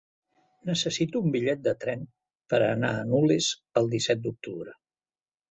Necessito un bitllet de tren per anar a Nules el disset d'octubre.